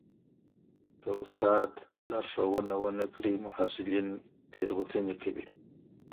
که استاد لارښوونه ونه کړي محصلین تېروتنې کوي.